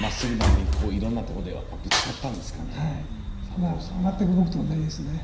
まあ全く僕と同じですね。